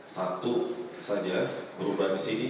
satu saja berubah di sini